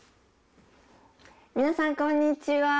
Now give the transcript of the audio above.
皆さん、こんにちは。